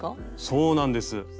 そうなんです。